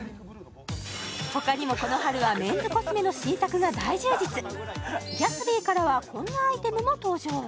ほかにもこの春はメンズコスメの新作が大充実ギャツビーからはこんなアイテムも登場